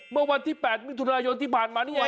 เมื่อวันที่๘มิถุนายนที่ผ่านมานี่เอง